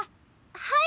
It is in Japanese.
はい！